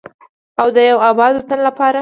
او د یو اباد وطن لپاره.